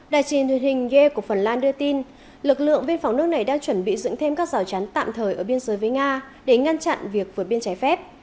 đài truyền hình gie của phần lan đưa tin lực lượng viên phóng nước này đang chuẩn bị dựng thêm các rào chán tạm thời ở biên giới với nga để ngăn chặn việc vượt biên trái phép